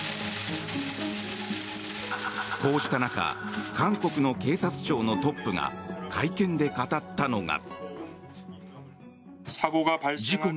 こうした中韓国の警察庁のトップが会見で語ったのが。